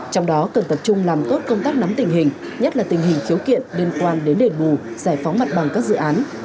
trong đó cần tập trung làm tốt công tác nắm tình hình nhất là tình hình khiếu kiện liên quan đến đền bù giải phóng mặt bằng các dự án